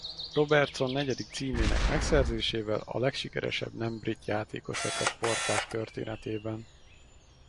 Robertson negyedik címének megszerzésével a legsikeresebb nem brit játékos lett a sportág történetében.